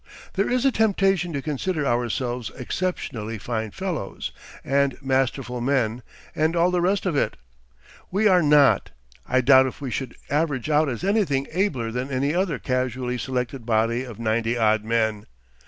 There is a temptation to consider ourselves exceptionally fine fellows, and masterful men, and all the rest of it. We are not. I doubt if we should average out as anything abler than any other casually selected body of ninety odd men.